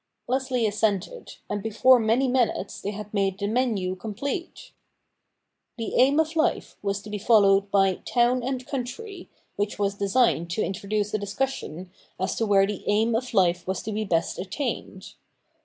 Leslie assented ; and before many minutes they had made the menu complete. The ' Aim of Life ' was to be followed by ' Town and Country,' which was designed to introduce a discussion as to where the Aim of Life was to be best attained.